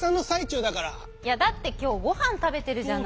いやだって今日ごはん食べてるじゃない。